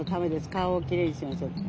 川をきれいにしましょう」って。